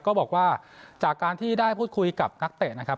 ก็บอกว่าจากการที่ได้พูดคุยกับนักเตะนะครับ